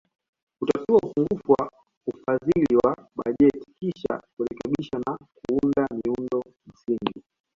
Kutatua upungufu wa ufadhili wa bajeti kisha kurekebisha na kuunda miundo msingi